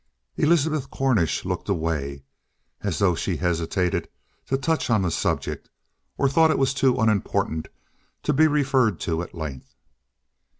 Elizabeth Cornish looked away, as though she hesitated to touch on the subject, or as though it were too unimportant to be referred to at length.